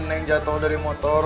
neng jatuh dari motor